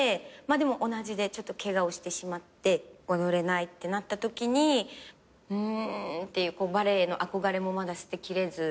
でも同じでケガをしてしまって踊れないってなったときにうんっていうバレエへの憧れもまだ捨てきれず。